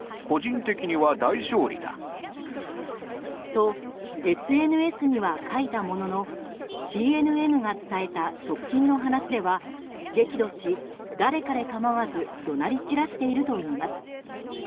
と、ＳＮＳには書いたもののＣＮＮが伝えた側近の話では激怒し誰彼構わず怒鳴り散らしているといいます。